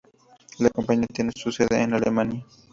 La compañía tiene su sede en Alemania.